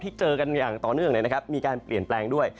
ที่เจอกันอย่างต่อเนื่องเลยนะครับมีการเปลี่ยนแปลงด้วย